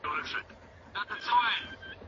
ښوونکي زده کوونکو ته د انټرنیټ کارول ورښيي.